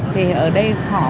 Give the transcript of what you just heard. thì ở đây khó